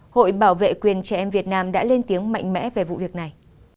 hội bảo vệ quyền trẻ em việt nam đã lên tiếng mạnh mẽ về vụ việc này